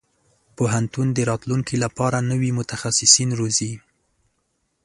پوهنتون د راتلونکي لپاره نوي متخصصين روزي.